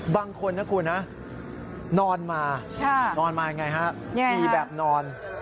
บางคนนะคุณนอนมานอนมาอย่างไรครับทีแบบนอน